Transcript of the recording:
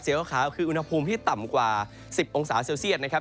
ขาวคืออุณหภูมิที่ต่ำกว่า๑๐องศาเซลเซียตนะครับ